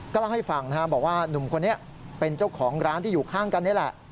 เล่าให้ฟังบอกว่าหนุ่มคนนี้เป็นเจ้าของร้านที่อยู่ข้างกันนี่แหละ